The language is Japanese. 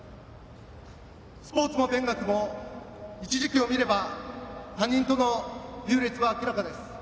スポーツも勉学も一時期を見れば他人との優劣は明らかです。